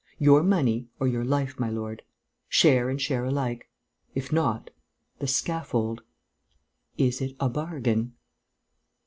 Your money or your life, my lord! Share and share alike ... if not, the scaffold! Is it a bargain?"